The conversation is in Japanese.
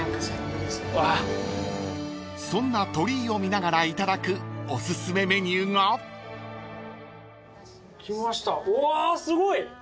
［そんな鳥居を見ながらいただくおすすめメニューが］来ましたおすごい！